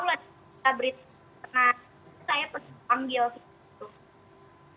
nah saya terus ambil